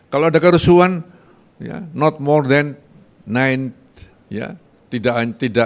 kalau ada kerusuhan tidak lebih dari sembilan jam